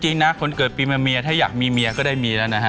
จริงนะคนเกิดปีมาเมียถ้าอยากมีเมียก็ได้มีแล้วนะฮะ